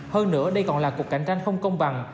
hơn nữa đây còn là cuộc cạnh tranh không công bằng